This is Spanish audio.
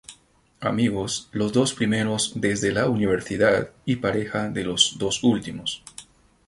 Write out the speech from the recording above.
Amigos los dos primeros desde la universidad y pareja los dos últimos.